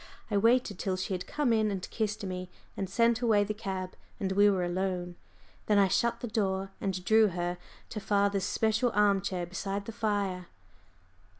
I waited till she had come in and kissed me and sent away the cab and we were alone. Then I shut the door and drew her to father's special arm chair beside the fire.